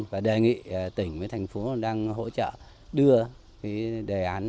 và đề nghị tỉnh với thành phố đang hỗ trợ đưa đề án